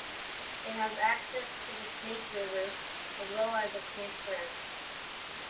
It has access to the Snake River, as well as a campground.